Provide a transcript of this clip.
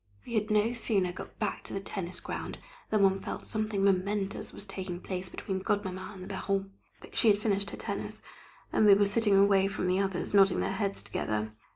We had no sooner got back to the tennis ground than one felt something momentous was taking place between Godmamma and the Baronne. She had finished her tennis, and they were sitting away from the others, nodding their heads together.